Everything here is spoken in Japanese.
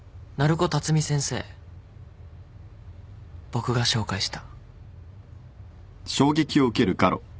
僕が紹介した。